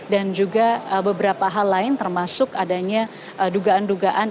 juga beberapa hal lain termasuk adanya dugaan dugaan